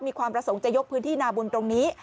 มีความประสงค์จะยกพื้นที่นาบุญตรงนี้